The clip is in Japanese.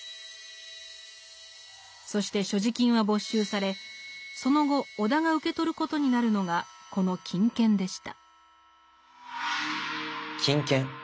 そして所持金は没収されその後尾田が受け取ることになるのがこの金券でした。